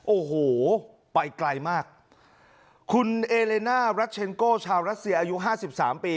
โอ้โหไปไกลมากคุณเอเลน่ารัชเชนโก้ชาวรัสเซียอายุห้าสิบสามปี